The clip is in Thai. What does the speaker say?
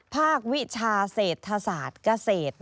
วิชาเศรษฐศาสตร์เกษตร